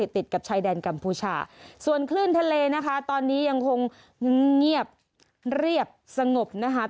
ติดกับชายแดนกัมพูชาส่วนคลื่นทะเลนะคะตอนนี้ยังคงเงียบเรียบสงบนะคะ